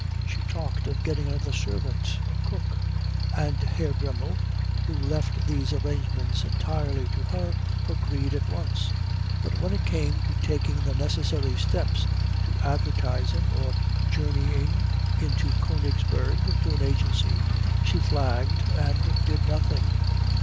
She talked of getting another servant, a cook; and Herr Dremmel, who left these arrangements entirely to her, agreed at once. But when it came to taking the necessary steps, to advertising or journeying in to Königsberg to an agency, she flagged and did nothing.